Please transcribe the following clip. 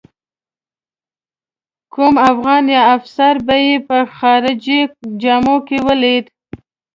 کوم افغان یا افسر به یې په خارجي جامو کې ولیده.